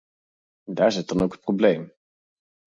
Daar zit dan ook het probleem.